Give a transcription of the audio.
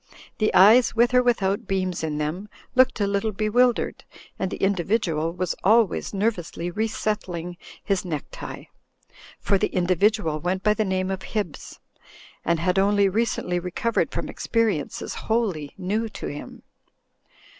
The eyes, with or with out beams in them, looked a little bewildered, and the individual was always nervously resettling his neck tie. For the individual went by the name of Hibbs, and had only recently recovered from experiences wholly new to him.